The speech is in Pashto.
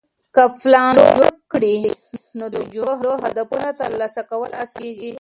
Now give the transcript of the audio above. که پلان جوړ کړې، نو د خپلو هدفونو ترلاسه کول اسانه کېږي.